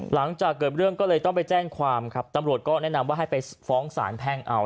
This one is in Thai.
หลังจากเกิดเรื่องก็เลยต้องไปแจ้งความครับตำรวจก็แนะนำว่าให้ไปฟ้องสารแพ่งเอา